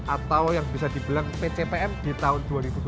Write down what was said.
atau yang bisa dibilang pcpm di tahun dua ribu dua puluh